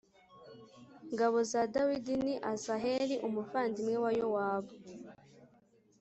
Ngabo za dawidi ni asaheli umuvandimwe wa yowabu